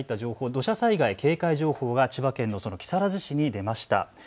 土砂災害警戒情報が千葉県の木更津市に出ました。